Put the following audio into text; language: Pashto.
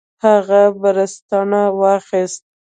هغه بړستنه واخیست.